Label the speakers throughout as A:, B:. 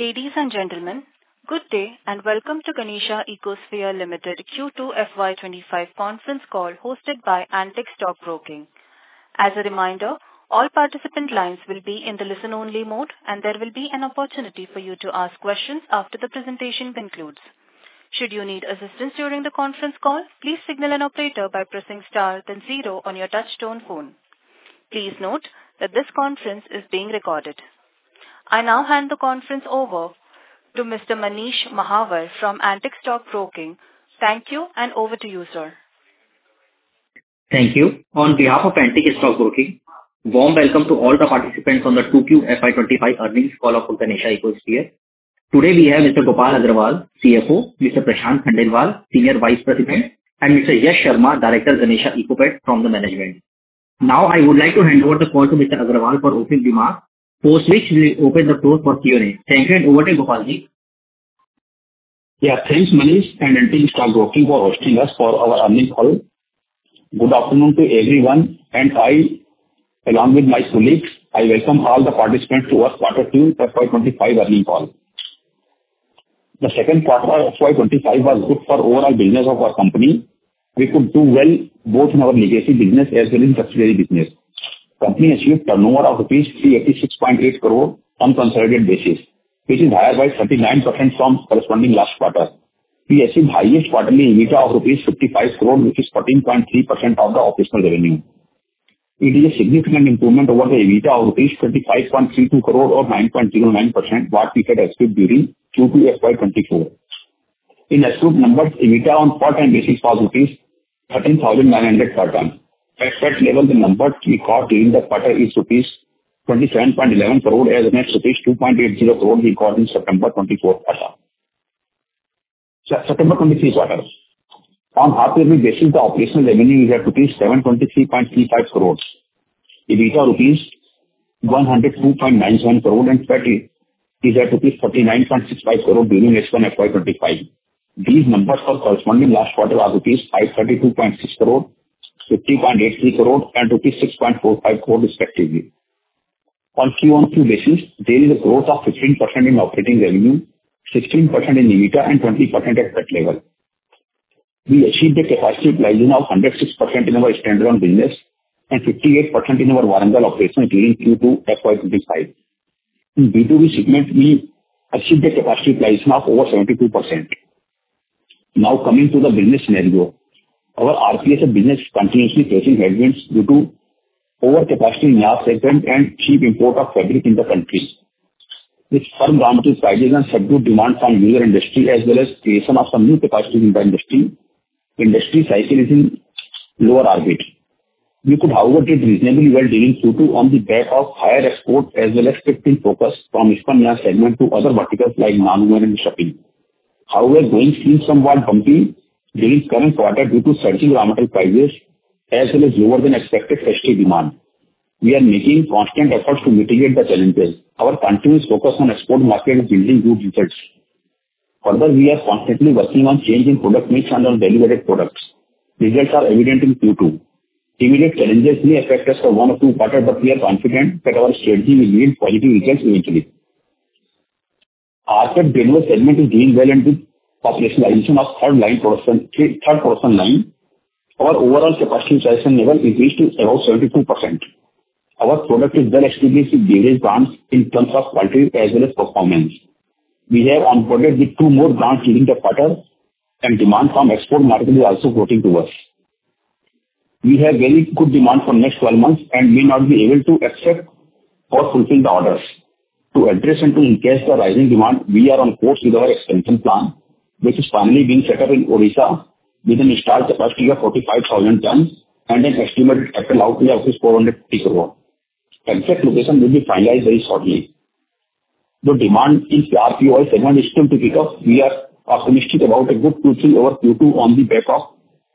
A: Ladies and gentlemen, good day and welcome to Ganesha Ecosphere Limited Q2 FY25 Conference Call hosted by Antique Stock Broking. As a reminder, all participant lines will be in the listen-only mode, and there will be an opportunity for you to ask questions after the presentation concludes. Should you need assistance during the conference call, please signal an operator by pressing star then zero on your touchtone phone. Please note that this conference is being recorded. I now hand the conference over to Mr. Manish Mahawar from Antique Stock Broking. Thank you, and over to you, sir.
B: Thank you. On behalf of Antique Stock Broking, warm welcome to all the participants on the Q2 FY25 Earnings Call of Ganesha Ecosphere. Today, we have Mr. Gopal Agarwal, CFO, Mr. Prashant Khandelwal, Senior Vice President, and Mr. Yash Sharma, Director of Ganesha Ecosphere from the management. Now, I would like to hand over the call to Mr. Agarwal for opening remarks, post which we will open the floor for Q&A. Thank you, and over to you, Gopal A.
C: Yeah, thanks, Manish, and Antique Stock Broking for hosting us for our earnings call. Good afternoon to everyone, and I, along with my colleagues, welcome all the participants to our Quarter Two FY25 Earnings Call. The second quarter of FY25 was good for overall business of our company. We could do well both in our legacy business as well as in the subsidiary business. The company achieved turnover of ₹386.8 crore on a consolidated basis, which is higher by 29% from the corresponding last quarter. We achieved the highest quarterly EBITDA of ₹55 crore, which is 14.3% of the operational revenue. It is a significant improvement over the EBITDA of ₹25.32 crore, or 9.09%, what we had achieved during Q2 FY24. In the approved numbers, EBITDA on a standalone basis was ₹13,900 per ton. At that level, the number we got during the quarter is ₹27.11 crore, as well as ₹2.80 crore we got in September 2024 quarter. September 2023 quarter, on a half-yearly basis, the operational revenue is at ₹723.35 crore. EBITDA is ₹102.97 crore, and that is at ₹49.65 crore during H1 FY25. These numbers for the corresponding last quarter are ₹532.6 crore, ₹50.83 crore, and ₹6.45 crore, respectively. On a Q-o-Q basis, there is a growth of 15% in operating revenue, 16% in EBITDA, and 20% at that level. We achieved a capacity utilization of 106% in our standalone business and 58% in our subsidiary operation during Q2 FY25. In the B2B segment, we achieved a capacity utilization of over 72%. Now, coming to the business scenario, our rPSF business is continuously facing headwinds due to over-capacity in yarn segment and cheap import of fabric in the country. With firm raw materials prices and subdued demand from the user industry, as well as the creation of some new capacities in the industry, the industry cycle is in lower orbit. We could, however, did reasonably well during Q2 on the back of higher exports as well as shift in focus from spun yarn segment to other verticals like non-woven and stuffing. However, growing seems somewhat bumpy during the current quarter due to surging raw material prices as well as lower-than-expected factory demand. We are making constant efforts to mitigate the challenges. Our continuous focus on the export market is yielding good results. Further, we are constantly working on changing product mix and on value-added products. Results are evident in Q2. Immediate challenges may affect us for one or two quarters, but we are confident that our strategy will yield positive results eventually. rPet Granule segment is doing well, and with the operationalization of third production line, our overall capacity utilization level increased to about 72%. Our product is well-established with various brands in terms of quality as well as performance. We have onboarded two more brands during the quarter, and demand from the export market is also growing towards. We have very good demand for the next 12 months and may not be able to accept or fulfill the orders. To address and to encase the rising demand, we are on course with our expansion plan, which is finally being set up in Odisha with an installed capacity of 45,000 tons and an estimated capital outlay of 450 crore. The exact location will be finalized very shortly. The demand in the rPET granule segment is still to pick up. We are optimistic about a good Q3 over Q2 on the back of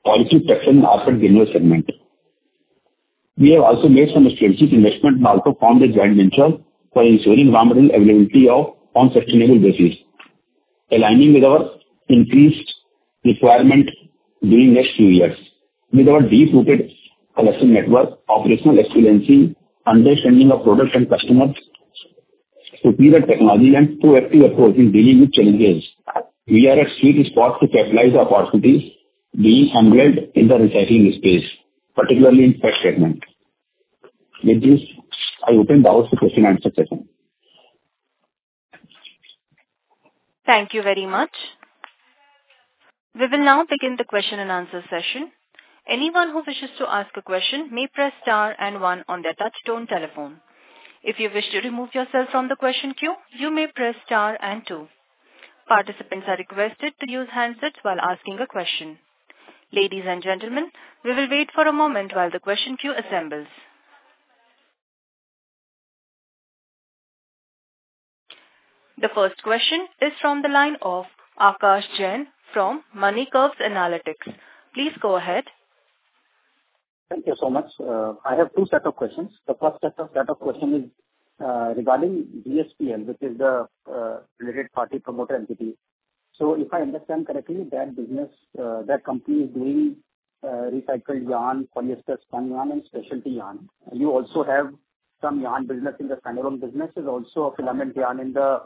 C: positive traction in the rPET Granule segment. We have also made some investments and also formed a joint venture for ensuring raw material availability on a sustainable basis, aligning with our increased requirement during the next few years. With our deep-rooted collection network, operational excellence, understanding of products and customers, superior technology, and proactive approach in dealing with challenges, we are at a sweet spot to capitalize the opportunities being unveiled in the recycling space, particularly in PET segment. With this, I open the floor for question-and-answer session.
A: Thank you very much. We will now begin the question-and-answer session. Anyone who wishes to ask a question may press star and one on their touchstone telephone. If you wish to remove yourself from the question queue, you may press star and two. Participants are requested to use handsets while asking a question. Ladies and gentlemen, we will wait for a moment while the question queue assembles. The first question is from the line of Akash Jain from MoneyCurve Analytics. Please go ahead.
D: Thank you so much. I have two sets of questions. The first set of questions is regarding GSPL, which is the related party promoter entity. So if I understand correctly, that company is doing recycled yarn, polyester spun yarn, and specialty yarn. You also have some yarn business in the standalone business. There's also a filament yarn in the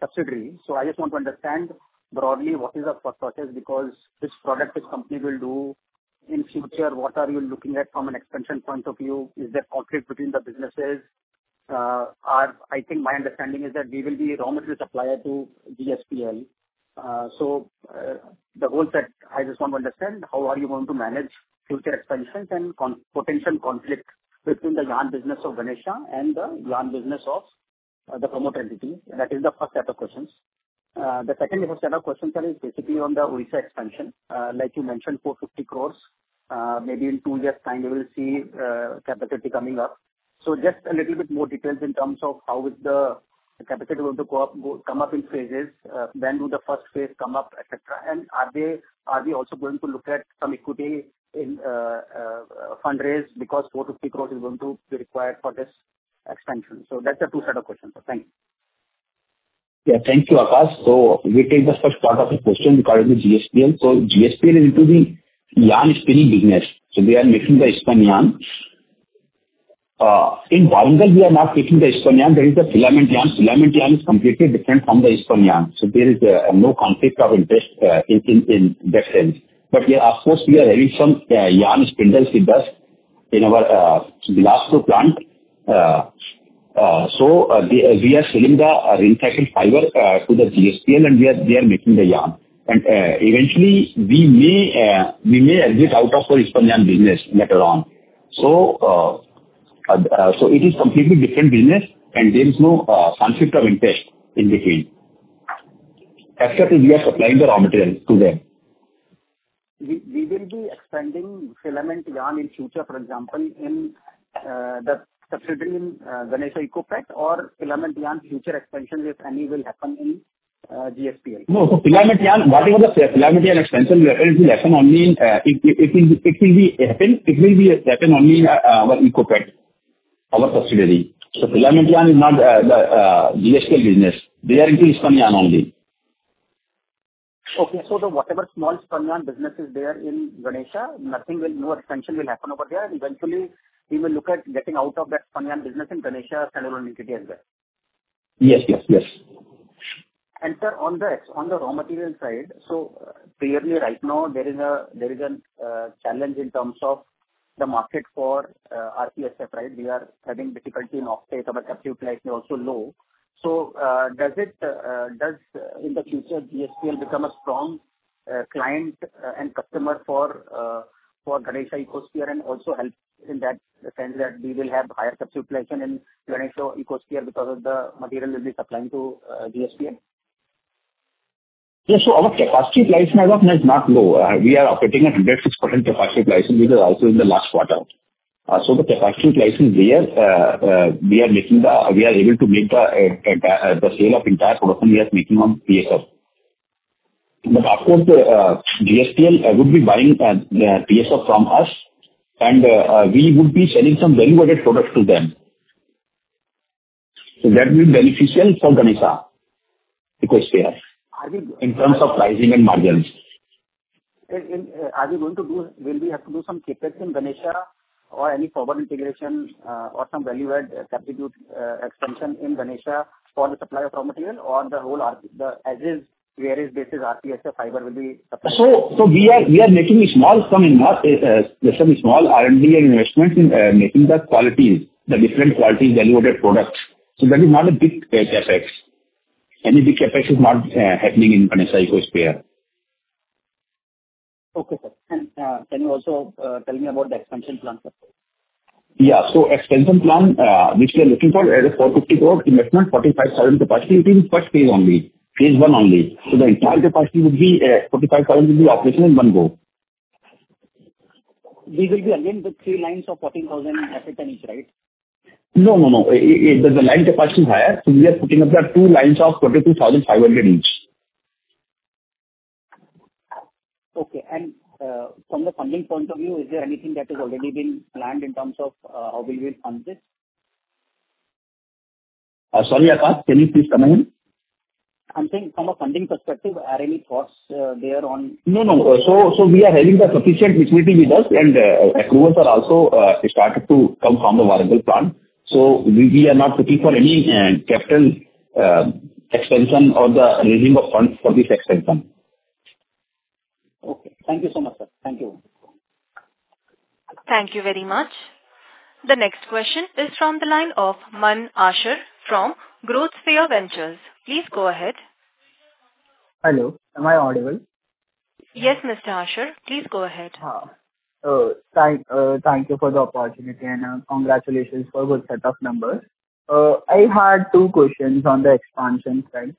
D: subsidiary. So I just want to understand broadly what is the process because which product this company will do in the future? What are you looking at from an expansion point of view? Is there conflict between the businesses? I think my understanding is that we will be a raw material supplier to GSPL. So the goals that I just want to understand, how are you going to manage future expansions and potential conflict between the yarn business of Ganesha and the yarn business of the promoter entity? That is the first set of questions. The second set of questions is basically on the Odisha expansion. Like you mentioned, 450 crore. Maybe in two years' time, we will see the capacity coming up. So just a little bit more details in terms of how the capacity will come up in phases. When will the first phase come up, etc.? And are we also going to look at some equity in fundraising because 450 crore is going to be required for this expansion? So that's the two sets of questions. Thank you.
C: Yeah, thank you, Akash. So we take the first part of the question regarding the GSPL. So GSPL is into the yarn spinning business. So they are making the spun yarn. In Warangal, we are not making the spun yarn. There is the filament yarn. Filament yarn is completely different from the spun yarn. So there is no conflict of interest in that sense. But of course, we are having some yarn spindles with us in our Bilaspur plant. So we are selling the recycled fiber to the GSPL, and they are making the yarn. And eventually, we may exit out of our spun yarn business later on. So it is a completely different business, and there is no conflict of interest in between. Except if we are supplying the raw material to them.
D: We will be expanding filament yarn in the future, for example, in the subsidiary in Ganesha Ecopet, or filament yarn future expansion, if any, will happen in GSPL?
C: No, so filament yarn, whatever the filament yarn expansion will happen, it will happen only in our Ecopet, our subsidiary. So filament yarn is not the GSPL business. They are into spun yarn only.
D: Okay. So whatever small spun yarn business is there in Ganesha, no expansion will happen over there. Eventually, we will look at getting out of that spun yarn business in Ganesha standalone entity as well.
C: Yes, yes, yes.
D: And sir, on the raw material side, so clearly right now, there is a challenge in terms of the market for rPSF, right? We are having difficulty in offtake. Our subsidy is also low. So does in the future, GSPL become a strong client and customer for Ganesha Ecosphere and also help in that sense that we will have higher subsidy in Ganesha Ecosphere because of the material we'll be supplying to GSPL?
C: Yes. So our capacity utilization is not low. We are operating at 106% capacity utilization, which is also in the last quarter. So the capacity utilization there, we are able to make the sale of the entire product we are making on PSF. But of course, GSPL would be buying PSF from us, and we would be selling some value-added products to them. So that will be beneficial for Ganesha Ecosphere in terms of pricing and margins.
D: Will we have to do some CapEx in Ganesha or any forward integration or some value-added substitute expansion in Ganesha for the supply of raw material or the whole as-is various basis rPet fiber will be supplied?
C: We are making a small sum in the small R&D and investment in making the different quality value-added products. So that is not a big CapEx. Any big CapEx is not happening in Ganesha Ecosphere.
D: Okay, sir. And can you also tell me about the expansion plan?
C: Yeah. So the expansion plan, which we are looking for, is INR 450 crore investment, 45,000 capacity. It is in the first phase only, phase one only. So the entire capacity would be 45,000 operational in one go.
D: We will be again with three lines of 14,000 each, right?
C: No, no, no. The line capacity is higher. So we are putting up the two lines of 22,500 each.
D: Okay, and from the funding point of view, is there anything that has already been planned in terms of how we will fund this?
C: Sorry, Akash, can you please come again?
D: I'm saying from a funding perspective, are there any thoughts there on?
C: No, no. So we are having the sufficient liquidity with us, and the crews are also starting to come from the Warangal plant. So we are not looking for any capital expansion or the raising of funds for this expansion.
D: Okay. Thank you so much, sir. Thank you.
A: Thank you very much. The next question is from the line of Mann Ashar from Growth Sphere Ventures. Please go ahead.
E: Hello. Am I audible?
A: Yes, Mr. Ashar. Please go ahead.
E: Thank you for the opportunity, and congratulations for a good set of numbers. I had two questions on the expansion side.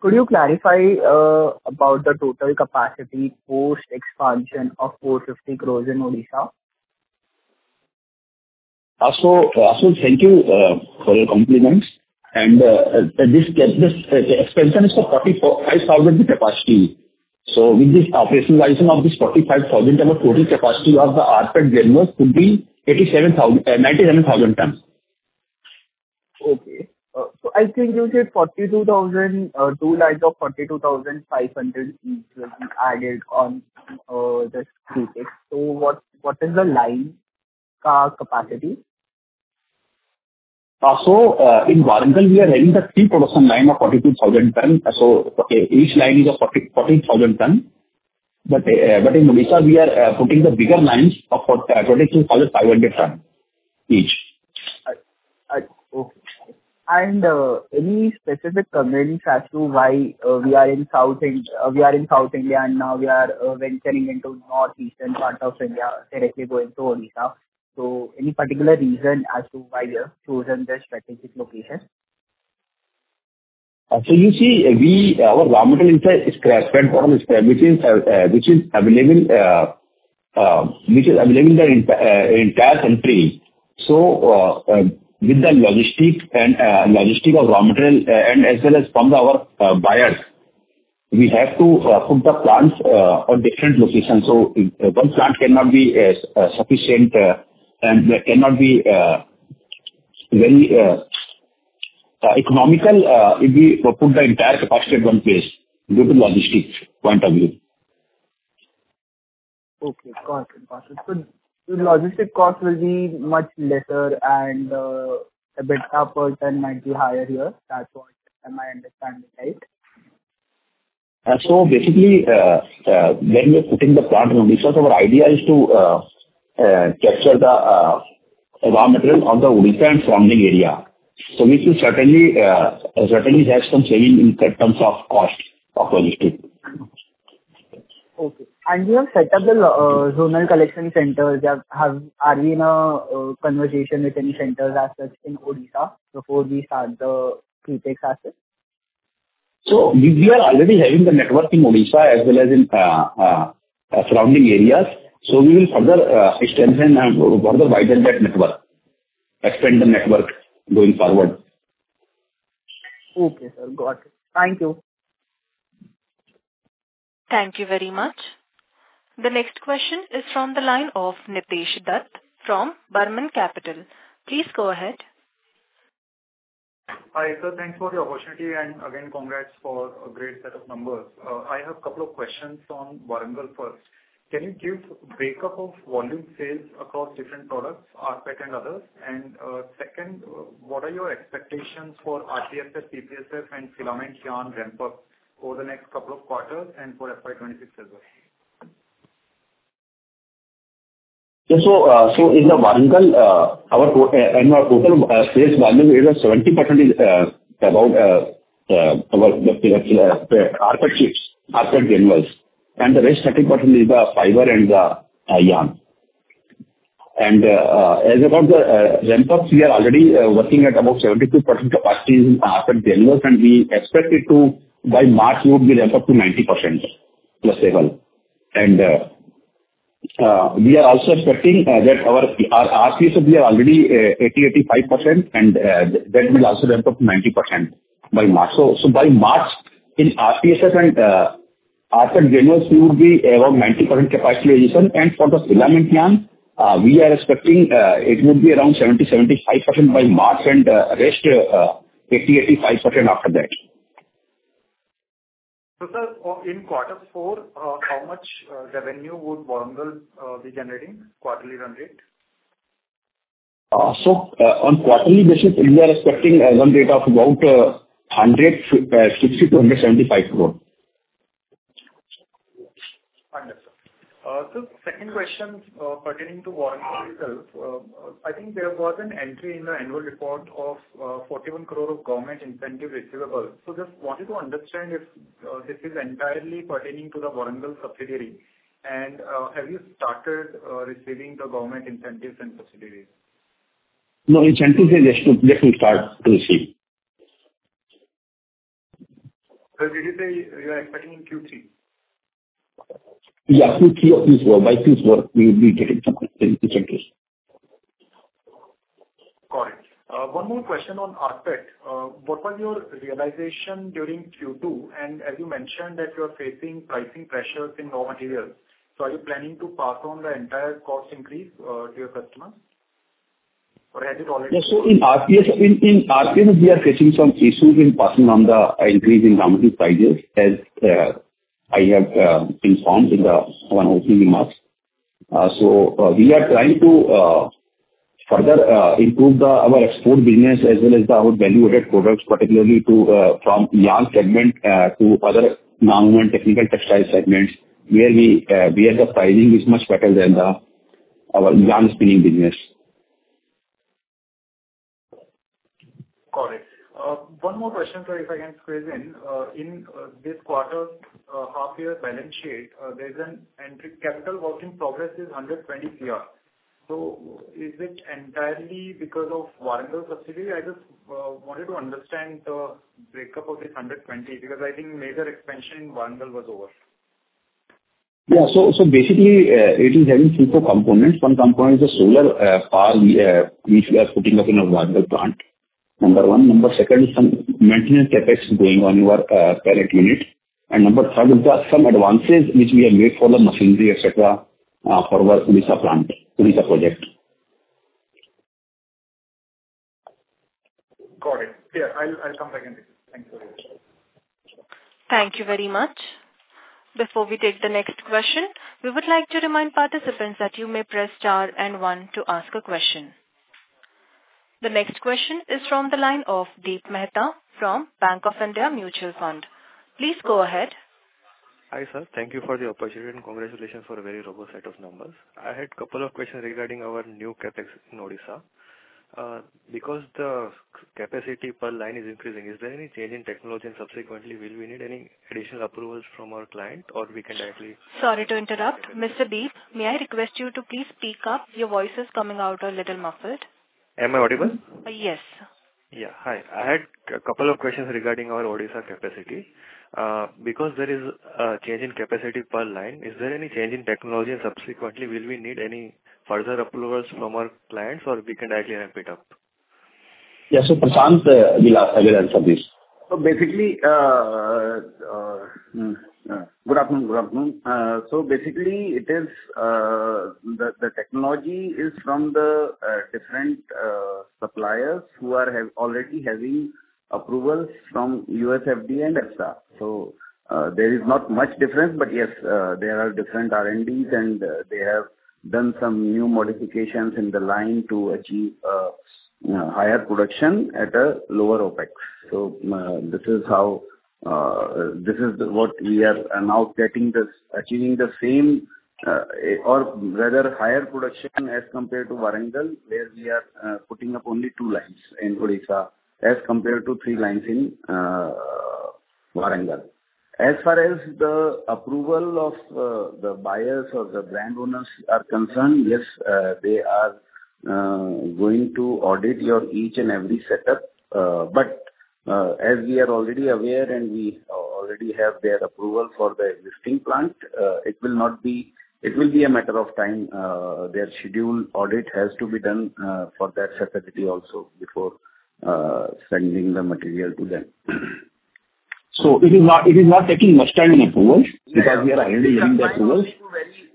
E: Could you clarify about the total capacity post-expansion of 450 crore in Odisha?
C: Thank you for your compliments. This expansion is for 45,000 capacity. With this operationalization of this 45,000, our total capacity of the rPET granules could be 97,000 tons.
E: Okay. So I think you said 42,000, two lines of 42,500 each will be added on the rPet. So what is the line's capacity?
C: In Warangal, we are having the three production lines of 42,000 tons. Each line is of 40,000 tons. But in Odisha, we are putting the bigger lines of 22,500 tons each.
E: Any specific concerns as to why we are in South India and now we are venturing into the North-Eastern part of India, directly going to Odisha? Any particular reason as to why you have chosen this strategic location?
C: You see, our raw material is sourced from which is available in the entire country. With the logistics of raw material and as well as from our buyers, we have to put the plants on different locations. One plant cannot be sufficient and cannot be very economical if we put the entire capacity at one place due to logistics point of view.
E: Okay. Got it. Got it. So the logistics cost will be much lesser, and a bit upper than might be higher here. That's what my understanding is, right?
C: So basically, when we are putting the plant in Odisha, our idea is to capture the raw material on the Odisha and surrounding area. So we will certainly have some savings in terms of cost of logistics.
E: Okay. And you have set up the zonal collection centers. Are we in a conversation with any centers as such in Odisha before we start the capex asset?
C: So we are already having the network in Odisha as well as in surrounding areas. So we will further extend and further widen that network, expand the network going forward.
E: Okay, sir. Got it. Thank you.
A: Thank you very much. The next question is from the line of Nitesh Dutt from Burman Capital. Please go ahead.
F: Hi sir. Thanks for the opportunity, and again, congrats for a great set of numbers. I have a couple of questions on Warangal first. Can you give a breakup of volume sales across different products, rPET and others? And second, what are your expectations for rPSF, PPSF, and filament yarn ramp-up over the next couple of quarters and for FY26 as well?
C: So in Warangal, our total sales volume is 70% about our rPET chips, rPET granules. And the rest 30% is the fiber and the yarn. And as about the ramp-up, we are already working at about 72% capacity in rPET granules. And we expect it to by March would be ramp-up to 90%, if possible. And we are also expecting that our rPSF, we are already 80%-85%, and that will also ramp up to 90% by March. So by March, in rPSF and rPET granules, we would be above 90% capacity utilization. And for the filament yarn, we are expecting it would be around 70%-75% by March and rest 80%-85% after that.
F: So sir, in quarter four, how much revenue would Warangal be generating quarterly run rate?
C: On quarterly basis, we are expecting a run rate of about 160-175 crore.
F: Understood. So second question pertaining to Warangal itself. I think there was an entry in the annual report of 41 crore of government incentive receivables. So just wanted to understand if this is entirely pertaining to the Warangal subsidiary. And have you started receiving the government incentives and subsidies?
C: No, incentives are just to start to receive.
F: So did you say you are expecting in Q3?
C: Yeah, Q3 or Q4. By Q4, we will be getting some incentives.
F: Got it. One more question on rPET. What was your realization during Q2? And as you mentioned that you are facing pricing pressures in raw materials. So are you planning to pass on the entire cost increase to your customers? Or has it already?
C: So in rPSF, we are facing some issues in passing on the increase in raw material prices, as I have informed in the opening remarks. So we are trying to further improve our export business as well as our value-added products, particularly from yarn segment to other non-technical textile segments, where the pricing is much better than our yarn spinning business.
F: Got it. One more question, sorry if I can squeeze in. In this quarter's half-year balance sheet, there's an entry. Capital work in progress is 120 crore. So is it entirely because of Warangal subsidiary? I just wanted to understand the breakup of this 120 because I think major expansion in Warangal was over.
C: Basically, it is having three components. One component is the solar power which we are putting up in our Warangal plant, number one. Number second is some maintenance effects going on in our parent unit. And number third is some advances which we have made for the machinery, etc., for ouE Odisha plant, Odisha project.
F: Got it. Yeah. I'll come back. Thanks.
A: Thank you very much. Before we take the next question, we would like to remind participants that you may press star and one to ask a question. The next question is from the line of Deep Mehta from Bank of India Mutual Fund. Please go ahead.
G: Hi sir. Thank you for the opportunity and congratulations for a very robust set of numbers. I had a couple of questions regarding our new CapEx in Odisha. Because the capacity per line is increasing, is there any change in technology and subsequently, will we need any additional approvals from our client or we can directly?
A: Sorry to interrupt. Mr. Deep, may I request you to please speak up? Your voice is coming out a little muffled.
G: Am I audible?
A: Yes.
G: Yeah. Hi. I had a couple of questions regarding our Odisha capacity. Because there is a change in capacity per line, is there any change in technology and subsequently, will we need any further approvals from our clients or we can directly ramp it up?
C: Yeah, so Prashant will answer this.
H: So basically, good afternoon. Good afternoon. So basically, it is the technology is from the different suppliers who are already having approvals from USFDA and EFSA. So there is not much difference, but yes, there are different R&Ds and they have done some new modifications in the line to achieve higher production at a lower Opex. So this is what we are now getting, achieving the same or rather higher production as compared to Warangal, where we are putting up only two lines in Odisha as compared to three lines in Warangal. As far as the approval of the buyers or the brand owners are concerned, yes, they are going to audit each and every setup. But as we are already aware and we already have their approval for the existing plant, it will be a matter of time. Their scheduled audit has to be done for that facility also before sending the material to them.
C: So it is not taking much time in approvals because we are already getting the approvals.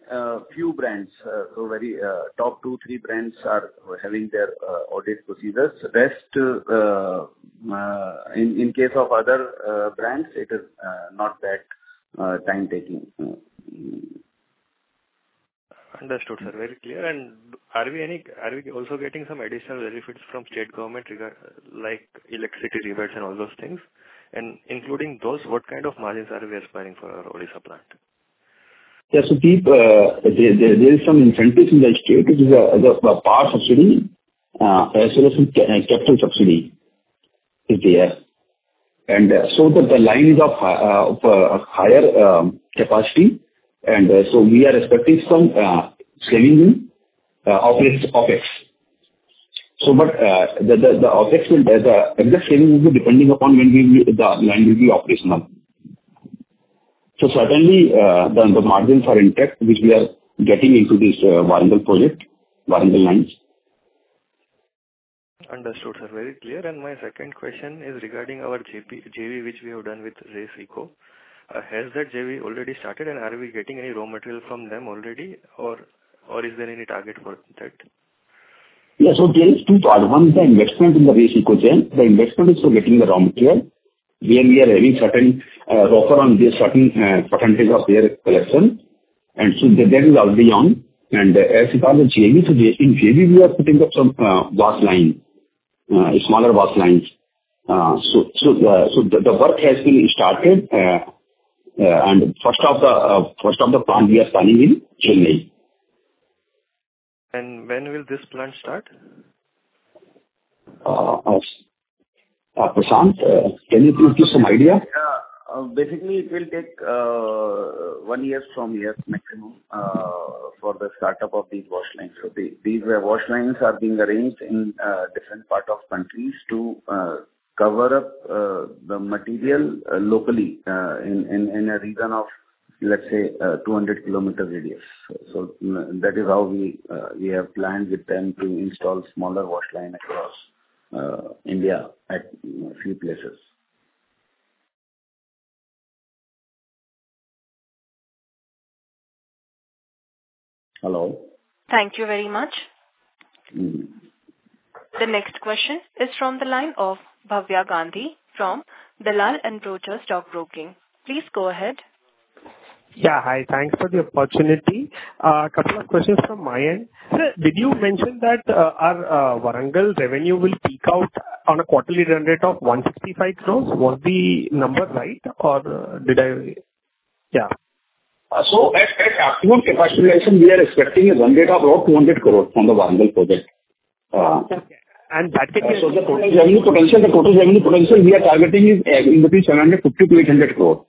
H: Very few brands, so very top two, three brands are having their audit procedures. Rest, in case of other brands, it is not that time-taking.
G: Understood, sir. Very clear. And are we also getting some additional benefits from state government like electricity rebates and all those things? And including those, what kind of margins are we aspiring for our Odisha plant?
C: Yes, Deep. There is some incentives in the state which is the power subsidy as well as capital subsidy is there. And so the line is of higher capacity. And so we are expecting some scalings in Opex. So the Opex will be the exact scalings depending upon when the line will be operational. So certainly, the margins are intact which we are getting into this Warangal project, Warangal lines.
G: Understood, sir. Very clear. And my second question is regarding our JV which we have done with Race Eco. Has that JV already started and are we getting any raw material from them already or is there any target for that?
C: Yeah. So there is two parts. One is the investment in the Race Eco Chain. The investment is for getting the raw material where we are having certain offer on certain percentage of their collection. And so that is already on. And as it is in JV, we are putting up some washing lines, smaller washing lines. So the work has been started. And first of the plant, we are planning in Chennai.
G: When will this plant start?
C: Prashant, can you give some idea?
H: Yeah. Basically, it will take one year or a year maximum for the start-up of these wash lines. So these wash lines are being arranged in different parts of the country to cover up the material locally in a region of, let's say, 200-kilometer radius. So that is how we have planned with them to install smaller wash lines across India at a few places. Hello?
A: Thank you very much. The next question is from the line of Bhavya Gandhi from Dalal & Broacha Stock Broking. Please go ahead.
I: Yeah. Hi. Thanks for the opportunity. A couple of questions from my end. Sir, did you mention that our Warangal revenue will peak out on a quarterly run rate of 165 crores? Was the number right or did I? Yeah.
C: At actual capacity revision, we are expecting a run rate of around 200 crores from the Warangal project.
I: Okay, and that can be a revenue potential.
C: The total revenue potential we are targeting is in between 750-800 crores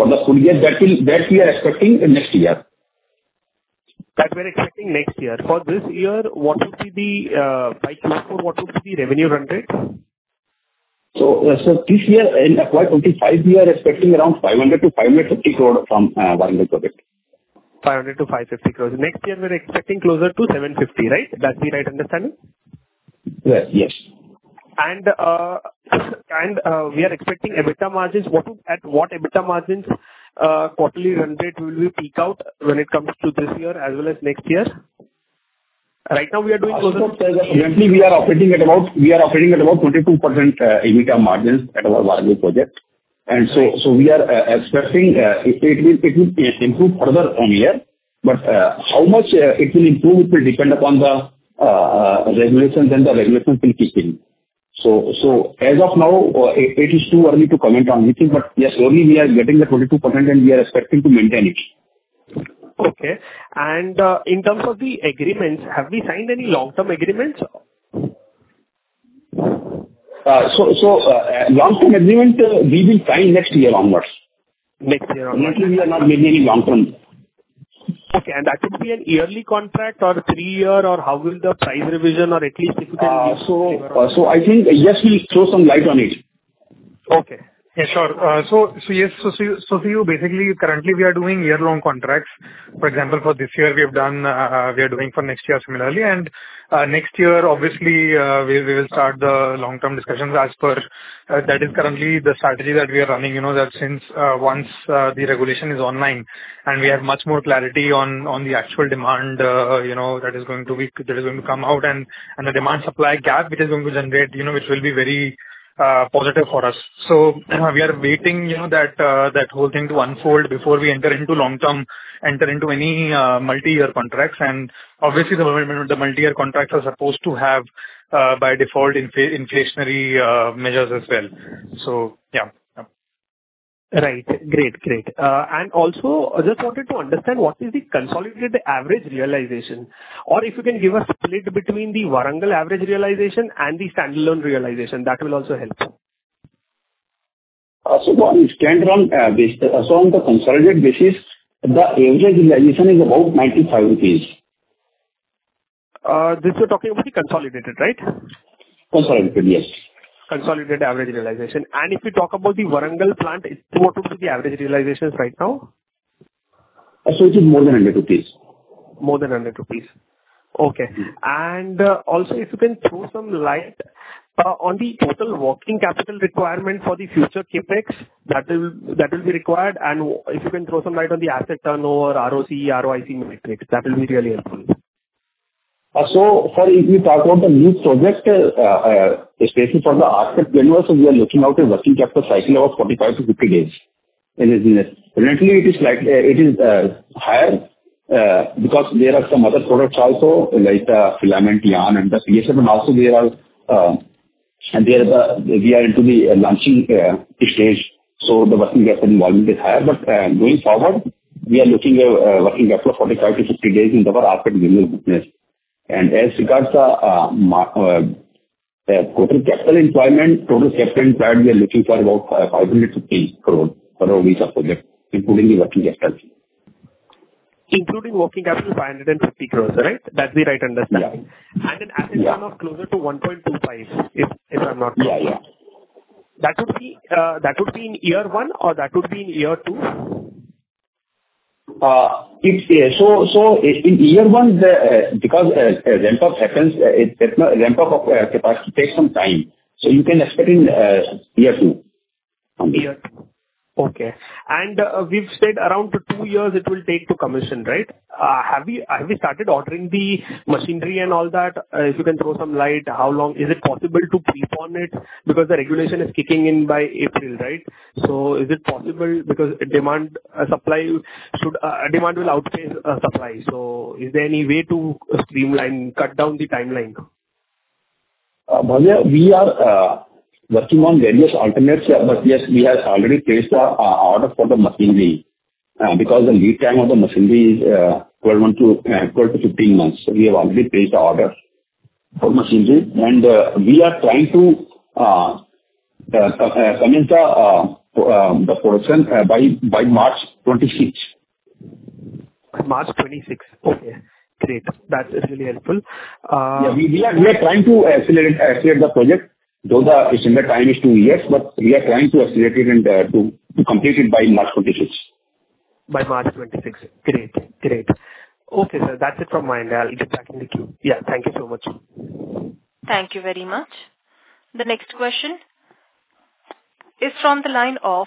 C: for the full year. That we are expecting next year.
I: That we are expecting next year. For this year, what would be the revenue run rate by Q4?
C: So this year, in FY25, we are expecting around 500-550 crores from Warangal project.
I: 500-550 crores. Next year, we are expecting closer to 750, right? That's the right understanding?
C: Yes.
I: We are expecting EBITDA margins. At what EBITDA margins quarterly run rate will we peak out when it comes to this year as well as next year? Right now, we are doing closer to.
C: Currently, we are operating at about 22% EBITDA margins at our Warangal project. So we are expecting it will improve further on year. But how much it will improve, it will depend upon the regulations and they will keep in. As of now, it is too early to comment on anything. But yes, only we are getting the 22% and we are expecting to maintain it.
I: Okay. And in terms of the agreements, have we signed any long-term agreements?
C: Long-term agreement, we will sign next year onwards.
I: Next year onwards.
C: Next year, we are not making any long-term.
I: Okay. And that will be a yearly contract or three-year or how will the price revision or at least if you can give us a year-round?
C: I think, Yash, we'll throw some light on it.
J: Okay. Yeah, sure. So yes, so see, basically, currently, we are doing year-round contracts. For example, for this year, we have done; we are doing for next year similarly. And next year, obviously, we will start the long-term discussions. That is currently the strategy that we are running since once the regulation is online. And we have much more clarity on the actual demand that is going to come out and the demand-supply gap which is going to generate, which will be very positive for us. So we are waiting that whole thing to unfold before we enter into long-term, any multi-year contracts. And obviously, the multi-year contracts are supposed to have by default inflationary measures as well. So yeah.
I: Right. Great, great. And also, I just wanted to understand what is the consolidated average realization? Or if you can give us split between the Warangal average realization and the standalone realization, that will also help.
C: So on standalone basis, so on the consolidated basis, the average realization is about 95 rupees.
I: This is, you're talking about the consolidated, right?
C: Consolidated, yes.
I: Consolidated average realization. And if you talk about the Warangal plant, it's similar to the average realizations right now?
C: It is more than 100 rupees.
I: More than 100 rupees. Okay. And also, if you can throw some light on the total working capital requirement for the future CapEx that will be required. And if you can throw some light on the asset turnover, ROC, ROIC metrics, that will be really helpful.
C: If you talk about the new project, especially for the rPET plant, we are looking at a working capital cycle of 45-50 days. Currently, it is higher because there are some other products also, like filament, yarn, and the PSF. And also, we are into the launching stage. So the working capital involvement is higher. But going forward, we are looking at a working capital of 45-50 days in our rPET business. And as regards to total capital employment, we are looking for about 550 crores for all these projects, including the working capital.
I: Including working capital, 550 crores, right? That's the right understanding?
C: Yeah.
I: Asset turnover closer to 1.25, if I'm not mistaken.
C: Yeah, yeah.
I: That would be in year one or that would be in year two?
C: So in year one, because ramp-up happens, ramp-up of capacity takes some time. So you can expect in year two.
I: Year two. Okay. And we've said around two years it will take to commission, right? Have we started ordering the machinery and all that? If you can throw some light, how long is it possible to keep on it? Because the regulation is kicking in by April, right? So is it possible because demand will outpace supply? So is there any way to streamline, cut down the timeline?
C: We are working on various alternatives. But yes, we have already placed our order for the machinery because the lead time of the machinery is 12-15 months. We have already placed the order for machinery. And we are trying to commence the production by March 26.
I: March 26. Okay. Great. That's really helpful.
C: Yeah. We are trying to accelerate the project. Though the estimated time is two years, but we are trying to accelerate it and to complete it by March 26.
I: By March 26. Great. Great. Okay, sir. That's it from my end. I'll be tracking the queue. Yeah. Thank you so much.
A: Thank you very much. The next question is from the line of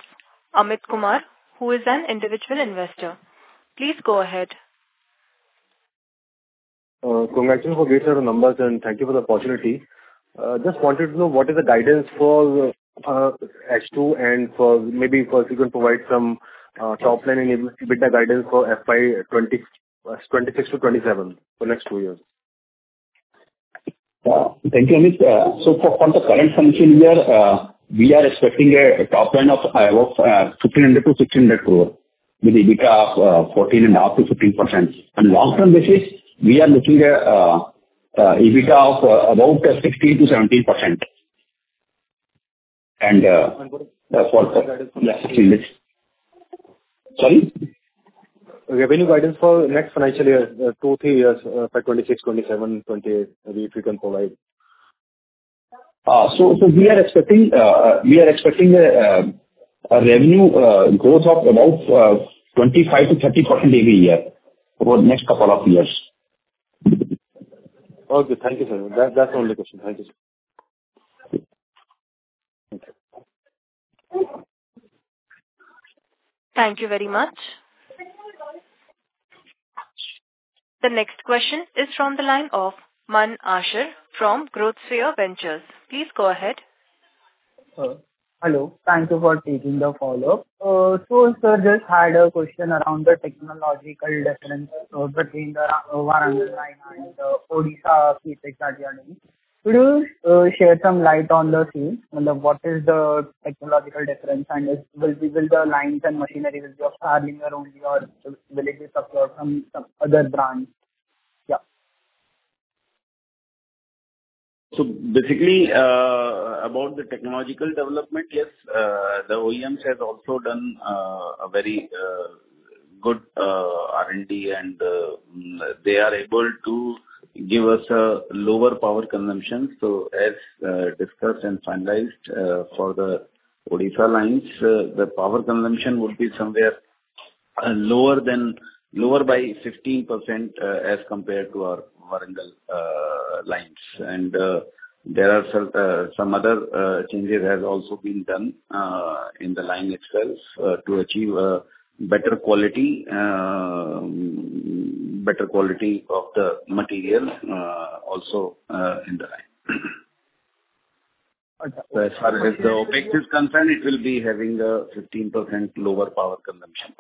A: Amit Kumar, who is an individual investor. Please go ahead.
K: Congratulations for giving us the numbers and thank you for the opportunity. Just wanted to know what is the guidance for H2 and maybe if you can provide some top-line EBITDA guidance for FY 2026 to 2027 for next two years?
C: Thank you, Amit. For the current function, we are expecting a top-line of 1,500-1,600 crores with EBITDA of 14.5%-15%. On long-term basis, we are looking at EBITDA of about 16%-17%. And for.
L: Revenue guidance.
C: Sorry?
L: Revenue guidance for next financial year, two, three years for 2026, 2027, 2028, if you can provide?
C: We are expecting a revenue growth of about 25%-30% every year for the next couple of years.
K: Okay. Thank you, sir. That's the only question. Thank you, sir.
A: Thank you very much. The next question is from the line of Mann Asher from Growth Sphere Ventures. Please go ahead.
E: Hello. Thank you for taking the follow-up. So I just had a question around the technological difference between the Warangal line and the Odisha fleet expansion. Could you shed some light on the field? What is the technological difference? And will the lines and machinery be of Starlinger only or will it be support from some other brands? Yeah.
H: So basically, about the technological development, yes. The OEMs have also done a very good R&D, and they are able to give us a lower power consumption. So as discussed and finalized for the Odisha lines, the power consumption would be somewhere lower by 15% as compared to our Warangal lines. And there are some other changes that have also been done in the line itself to achieve better quality, better quality of the material also in the line. So as far as the Opex is concerned, it will be having a 15% lower power consumption.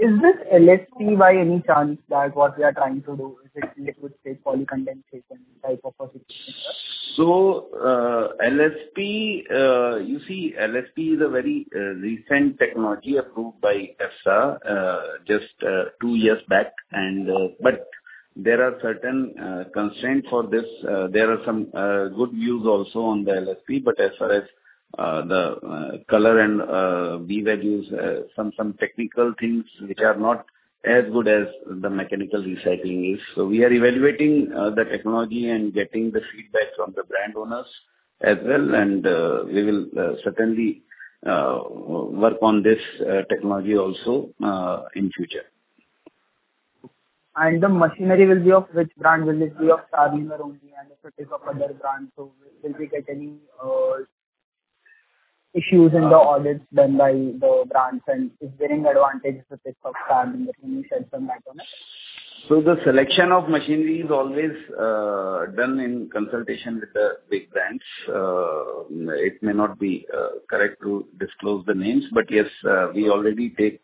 E: Is this LSP by any chance that what we are trying to do is it liquid state polycondensation type of a system?
H: So LSP, you see, LSP is a very recent technology approved by EFSA just two years back. But there are certain constraints for this. There are some good views also on the LSP, but as far as the color and B-values, some technical things which are not as good as the mechanical recycling is. So we are evaluating the technology and getting the feedback from the brand owners as well. And we will certainly work on this technology also in the future.
E: The machinery will be of which brand? Will it be of Starlinger only? And if it is of other brands, will we get any issues in the audits done by the brands? And is there any advantage if it is of Starlinger only? Share some background on it.
H: So the selection of machinery is always done in consultation with the big brands. It may not be correct to disclose the names, but yes, we already take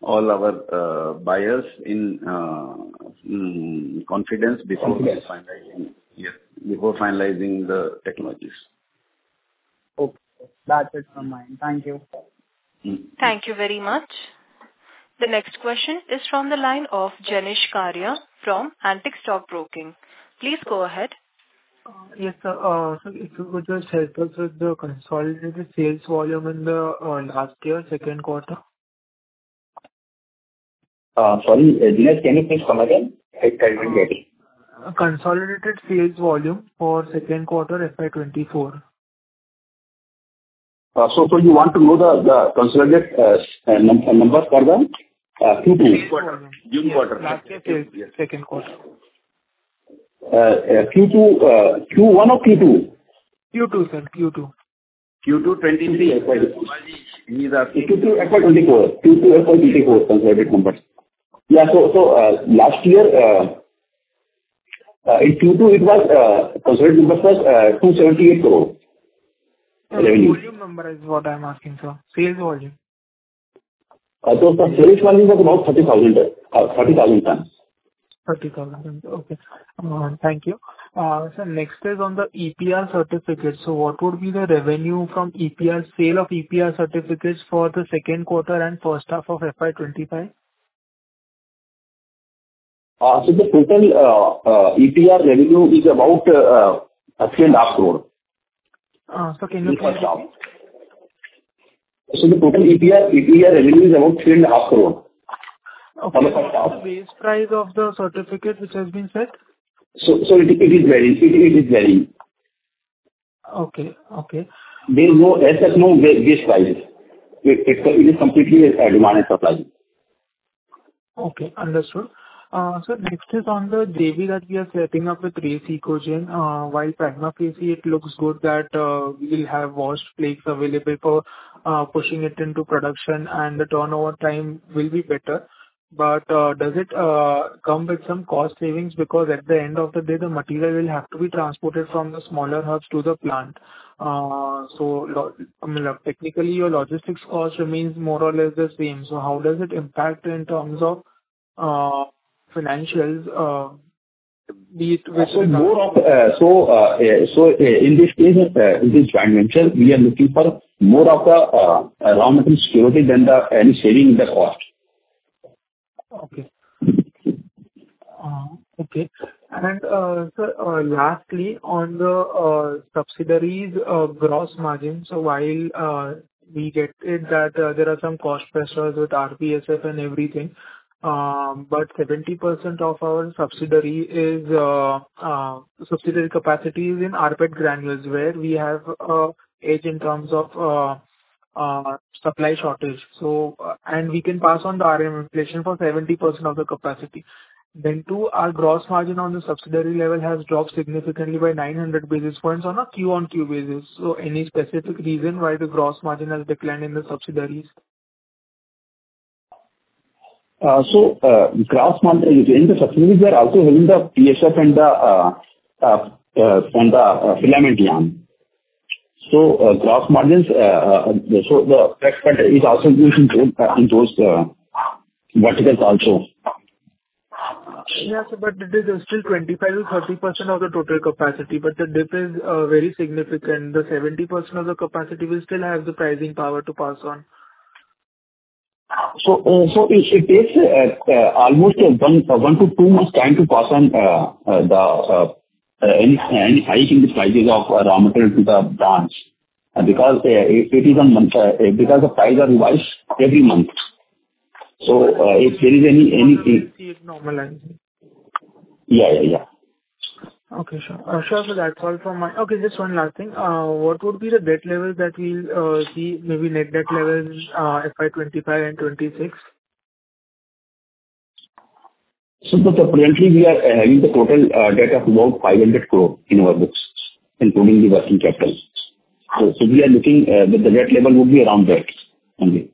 H: all our buyers in confidence before finalizing the technologies.
E: Okay. That's it from my end. Thank you.
A: Thank you very much. The next question is from the line of Jenish Karia from Antique Stock Broking. Please go ahead.
M: Yes, sir. So if you could just help us with the consolidated sales volume in the last year, second quarter?
C: Sorry, Jinesh, can you please come again? I didn't get it.
M: Consolidated sales volume for second quarter FY25.
C: So you want to know the consolidated numbers for the Q2? June quarter.
M: Last year, second quarter.
C: Q2, Q1 or Q2?
M: Q2, sir. Q2.
C: Q223. Q224. Q224 consolidated numbers. Yeah. So last year, in Q2, it was consolidated numbers were 278 crores revenue.
M: So the sales volume number is what I'm asking for? Sales volume.
C: The sales volume was about 30,000 tons.
M: 30,000 tons. Okay. Thank you. So next is on the EPR certificates. So what would be the revenue from EPR sale of EPR certificates for the second quarter and first half of FY25?
C: The total EPR revenue is about 3.5 crores.
M: Can you clarify?
C: The total EPR revenue is about 3.5 crores.
M: Okay. And what is the base price of the certificate which has been set?
C: So it is varying. It is varying.
M: Okay. Okay.
C: There is no base price. It is completely demand and supply.
M: Okay. Understood. So next is on the JV that we are setting up with Race Eco Chain. While prima facie it looks good that we will have washed flakes available for pushing it into production, and the turnover time will be better. But does it come with some cost savings? Because at the end of the day, the material will have to be transported from the smaller hubs to the plant. So technically, your logistics cost remains more or less the same. So how does it impact in terms of financials?
C: So in this case, in this joint venture, we are looking for more of the raw material security than any saving in the cost.
M: Okay. Okay. And so lastly, on the subsidiaries' gross margin, so while we get it that there are some cost pressures with rPSF and everything, but 70% of our subsidiary capacity is in rPET granules where we have an edge in terms of supply shortage. And we can pass on the RM inflation for 70% of the capacity. Then too, our gross margin on the subsidiary level has dropped significantly by 900 basis points on a Q-on-Q basis. So any specific reason why the gross margin has declined in the subsidiaries?
C: Gross margin in the subsidiaries are also having the PSF and the filament yarn. Gross margins, the export is also using those verticals also.
M: Yes, but it is still 25%-30% of the total capacity. But the dip is very significant. The 70% of the capacity will still have the pricing power to pass on.
C: So it takes almost one to two months' time to pass on any hike in the prices of raw material to the brands. Because it is on monthly because the prices are revised every month. So if there is any.
M: The rPET is normalizing.
C: Yeah, yeah, yeah.
M: Okay. Sure. Sure. So that's all from my end. Okay. Just one last thing. What would be the debt level that we'll see, maybe net debt level FY25 and FY26?
C: Currently, we are having the total debt of about 500 crores in our books, including the working capital. We are looking that the debt level would be around that only.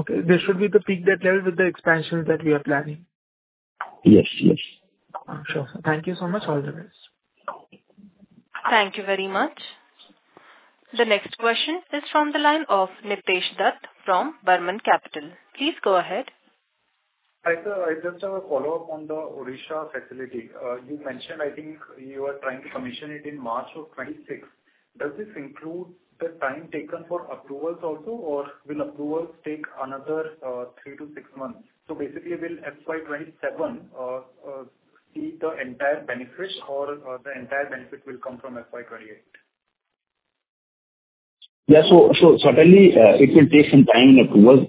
M: Okay. There should be the peak debt level with the expansion that we are planning.
C: Yes, yes.
M: Sure. Thank you so much, all the best.
A: Thank you very much. The next question is from the line of Nitesh Dutt from Burman Capital. Please go ahead.
F: Hi sir, I just have a follow-up on the Odisha facility. You mentioned, I think you were trying to commission it in March of 2026. Does this include the time taken for approvals also, or will approvals take another three-to-six months? So basically, will FY27 see the entire benefit, or the entire benefit will come from FY28?
C: Yeah. So certainly, it will take some time in approvals.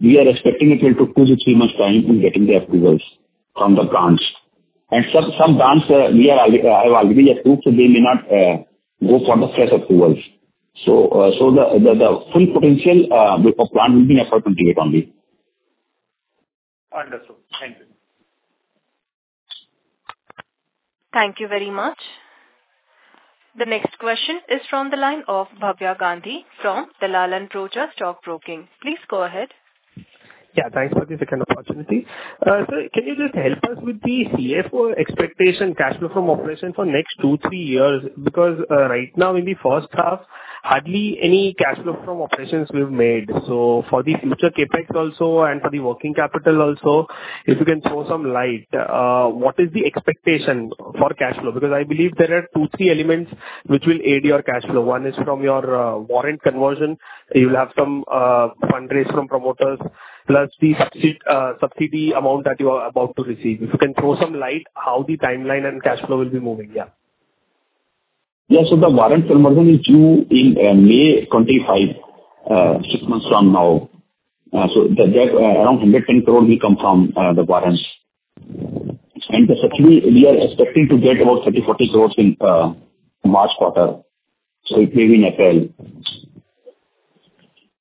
C: We are expecting it will take two to three months' time in getting the approvals from the brands. And some brands, we have already approved, so they may not go for the first approvals. So the full potential of the brand will be in FY28 only.
F: Understood. Thank you.
A: Thank you very much. The next question is from the line of Bhavya Gandhi from Dalal & Broacha Stock Broking. Please go ahead.
I: Yeah. Thanks for this second opportunity. So can you just help us with the CFO expectation cash flow from operations for next two, three years? Because right now, in the first half, hardly any cash flow from operations we've made. So for the future CapEx also and for the working capital also, if you can throw some light, what is the expectation for cash flow? Because I believe there are two, three elements which will aid your cash flow. One is from your warrant conversion. You'll have some fundraise from promoters, plus the subsidy amount that you are about to receive. If you can throw some light, how the timeline and cash flow will be moving. Yeah.
C: Yeah. So the warrant conversion is due in May 2025, six months from now. So around 110 crores will come from the warrants. And the subsidy, we are expecting to get about 30-40 crores in March quarter. So it may be in April.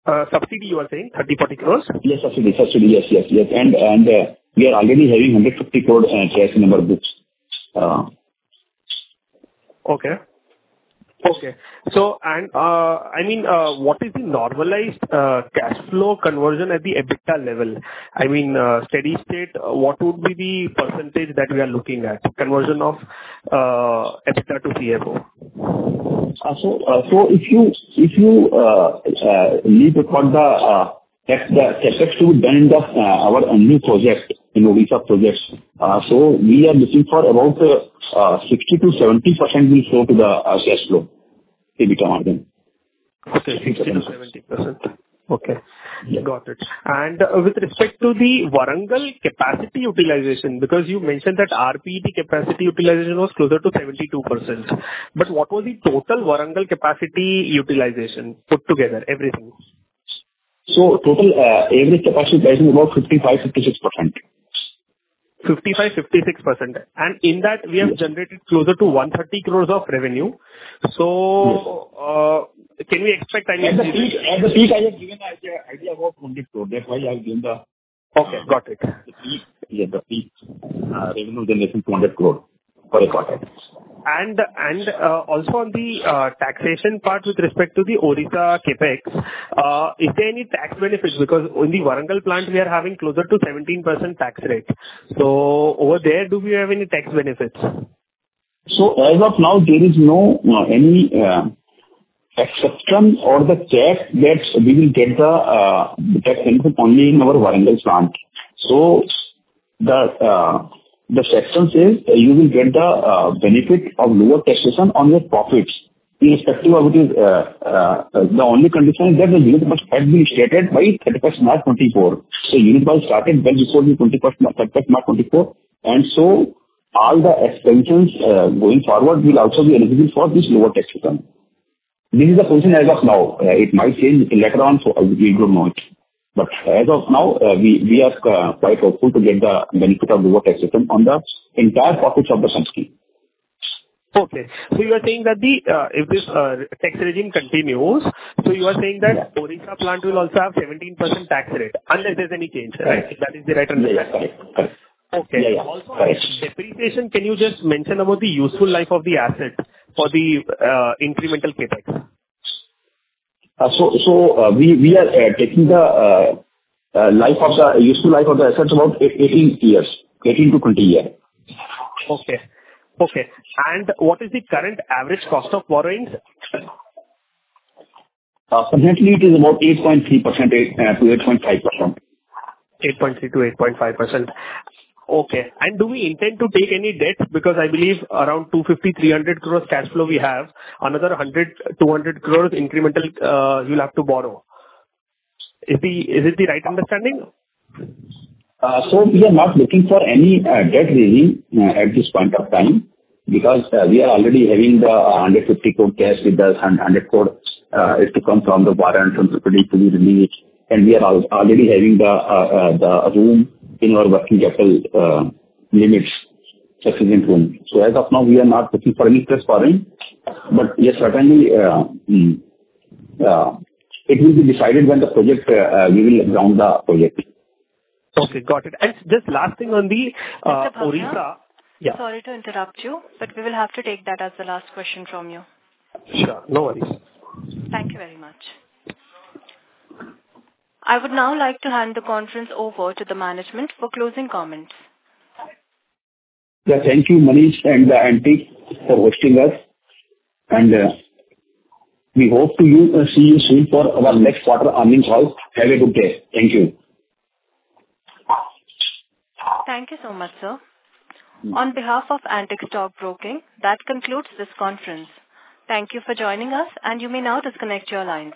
H: Subsidy, you are saying? 30-40 crores?
C: Yes, subsidy. Subsidy. Yes, yes, yes. And we are already having 150 crores cash in our books.
I: Okay. And I mean, what is the normalized cash flow conversion at the EBITDA level? I mean, steady state, what would be the percentage that we are looking at, conversion of EBITDA to CFO?
C: So if you leave it on the opex to be done in our new project, in Odisha projects, so we are looking for about 60%-70% will flow to the cash flow, EBITDA margin.
I: Okay. 60%-70%. Okay. Got it. And with respect to the Warangal capacity utilization, because you mentioned that rPET capacity utilization was closer to 72%. But what was the total Warangal capacity utilization put together, everything?
C: Total average capacity utilization is about 55-56%.
I: 55%-56%. And in that, we have generated closer to 130 crores of revenue. So can we expect, I mean?
C: At the peak, I have given an idea about INR 20 crores. That's why I've given the.
I: Okay. Got it.
C: The peak revenue generation is INR 200 crores for the quarter.
I: And also on the taxation part with respect to the Odisha CapEx, is there any tax benefit? Because in the Warangal plant, we are having closer to 17% tax rate. So over there, do we have any tax benefits?
C: As of now, there is no any exception or the tax that we will get the tax benefit only in our Warangal plant. The exception is you will get the benefit of lower taxation on your profits. Irrespective of it, the only condition is that the unit must have been started by 31st March 2024. Unit must have started well before the 31st March 2024. All the expenses going forward will also be eligible for this lower tax rate. This is the position as of now. It might change later on, so we don't know it. As of now, we are quite hopeful to get the benefit of lower tax rate on the entire profits of the subsidiary.
I: Okay. So you are saying that if this tax regime continues, so you are saying that Odisha plant will also have 17% tax rate unless there's any change, right? That is the right understanding?
C: That's correct. Correct.
I: Okay. Also, on the depreciation, can you just mention about the useful life of the assets for the incremental CapEx?
C: We are taking the useful life of the assets about 18-20 years.
I: Okay. Okay. What is the current average cost of borrowings?
C: Currently, it is about 8.3%-8.5%.
I: 8.3%-8.5%. Okay. And do we intend to take any debt? Because I believe around 250-300 crores cash flow we have, another 100-200 crores incremental you'll have to borrow. Is it the right understanding?
C: So we are not looking for any debt raising at this point of time because we are already having the 150 crore cash with the 100 crores to come from the warrant from the project to be released. And we are already having the room in our working capital limits, sufficient room. So as of now, we are not looking for any cash borrowing. But yes, certainly, it will be decided when the project we will ground the project.
I: Okay. Got it. And just last thing on the Odisha.
A: Sorry to interrupt you, but we will have to take that as the last question from you.
I: Sure. No worries.
A: Thank you very much. I would now like to hand the conference over to the management for closing comments.
C: Yeah. Thank you, Manish and Antique, for hosting us. And we hope to see you soon for our next quarter earnings call. Have a good day. Thank you.
A: Thank you so much, sir. On behalf of Antique Stock Broking, that concludes this conference. Thank you for joining us, and you may now disconnect your lines.